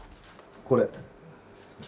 これ。